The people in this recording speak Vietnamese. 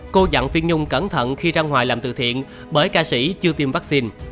cô dặn phiên nhung cẩn thận khi ra ngoài làm từ thiện bởi ca sĩ chưa tiêm vaccine